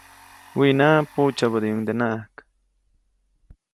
Wiʼnaʼa, puʼtsyäbädiʼuŋdenaʼajk.